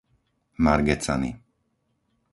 Margecany